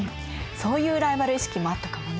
そういうライバル意識もあったかもね。